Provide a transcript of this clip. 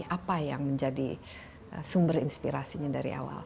apa yang menjadi sumber inspirasinya dari awal